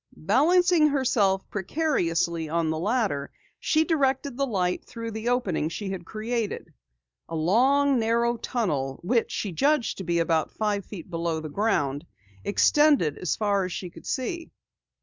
Balancing herself precariously on the ladder, she directed the light through the opening she had created. A long narrow tunnel which she judged to be about five feet below the ground, extended as far as she could see.